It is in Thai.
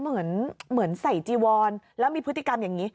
เหมือนใส่จีวอนแล้วมีพฤติกรรมอย่างนี้